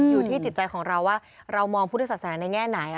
อยู่ที่จิตใจของเราว่าเรามองพุทธศาสนาในแง่ไหน